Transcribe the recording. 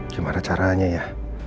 gimana caranya ya